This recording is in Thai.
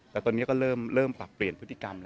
แต่ตอนนี้ก็เริ่มเปลี่ยนพฤติกรรม